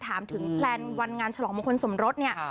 ถามถึงแพลนวันงานฉลองมงคลสมรสเนี่ย